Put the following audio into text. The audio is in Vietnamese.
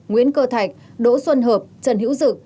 nguyễn cơ thạch đỗ xuân hợp trần hữu dự